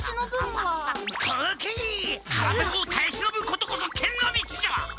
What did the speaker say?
はらぺこをたえしのぶことこそ剣の道じゃ！